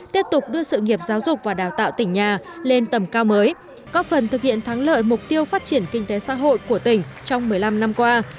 tiếp tục đưa sự nghiệp giáo dục và đào tạo tỉnh nhà lên tầm cao mới có phần thực hiện thắng lợi mục tiêu phát triển kinh tế xã hội của tỉnh trong một mươi năm năm qua